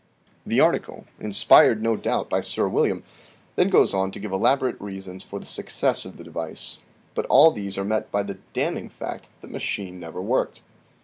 The article, inspired no doubt by Sir William, then goes on to give elaborate reasons for the success of the device, but all these are met by the damning fact that the machine never worked.